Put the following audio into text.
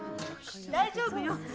大丈夫よ。